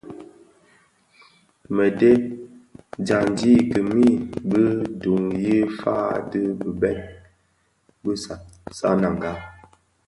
Mëdheb: dyandi i kimii bi duň yi fan dhi bibek bi Sananga.